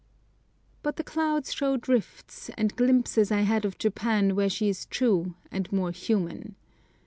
But the clouds showed rifts, and glimpses I had of Japan where she is true and more human.